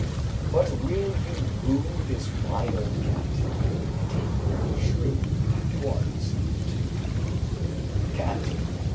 "But will you woo this wild cat?" Taming of the Shrew, Act I., Scene 2. CAT.